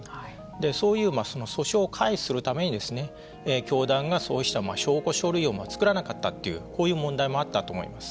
そういう訴訟を回避するために教団がそうした証拠書類を作らなかったというこういう問題もあったと思います。